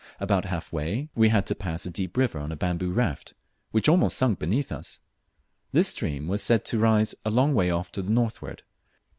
About half way we dad to pass a deep river on a bamboo raft, which almost sunk beneath us. This stream was said to rise a long way off to the northward.